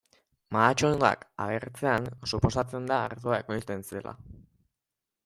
Mahatsondoak agertzean, suposatzen da ardoa ekoizten zela.